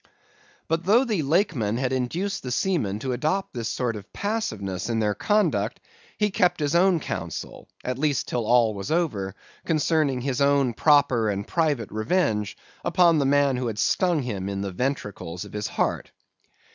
"But though the Lakeman had induced the seamen to adopt this sort of passiveness in their conduct, he kept his own counsel (at least till all was over) concerning his own proper and private revenge upon the man who had stung him in the ventricles of his heart.